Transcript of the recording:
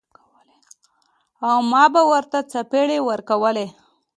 او ما به ورته څپېړې ورکولې.